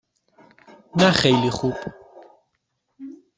نه خیلی خوب.